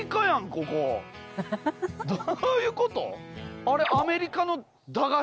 ここどういうこと？